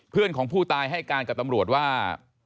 เพื่อนของผู้ตายให้การกับตำรวจว่า